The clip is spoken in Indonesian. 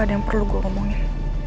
ada yang perlu gue ngomongin